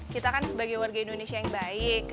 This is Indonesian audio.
kita kan sebagai warga indonesia yang baik